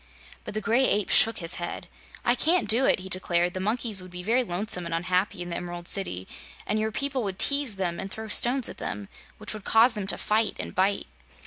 But the Gray Ape shook his head. "I can't do it," he declared. "The monkeys would be very lonesome and unhappy in the Emerald City and your people would tease them and throw stones at them, which would cause them to fight and bite."